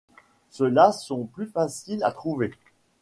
Ceux-là sont plus faciles à trouver.